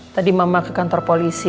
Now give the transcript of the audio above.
tadi memang ke kantor polisi